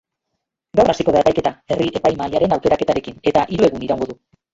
Gaur hasiko da epaiketa, herri-epaimahaiaren aukeraketarekin, eta hiru egun iraungo du.